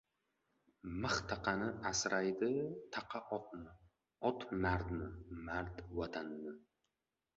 • Mix taqani asraydi, taqa ― otni, ot ― mardni, mard ― Vatanni.